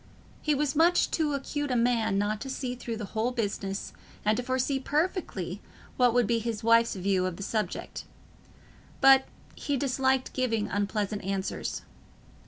He was much too acute a man not to see through the whole business, and to foresee perfectly what would be his wife's view of the subject; but he disliked giving unpleasant answers.